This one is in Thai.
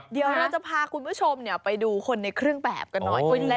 เดี๋ยวเราจะพาคุณผู้ชมไปดูคนในเครื่องแบบกันหน่อย